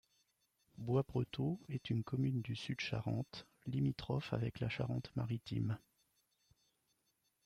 Boisbreteau est une commune du Sud Charente, limitrophe avec la Charente-Maritime.